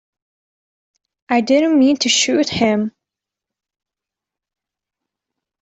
I didn't mean to shoot him.